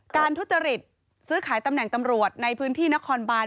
ทุจริตซื้อขายตำแหน่งตำรวจในพื้นที่นครบาน